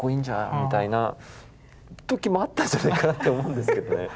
みたいな時もあったんじゃないかなって思うんですけどね。